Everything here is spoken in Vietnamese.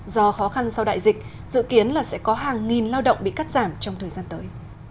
do khó khăn sau đại dịch dự kiến là sẽ có hàng nghìn lao động bị cắt giảm trong thời gian tới